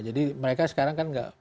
jadi mereka sekarang kan gak